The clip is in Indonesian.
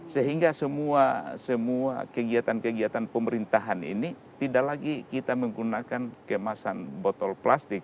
sehingga semua kegiatan kegiatan pemerintahan ini tidak lagi kita menggunakan kemasan botol plastik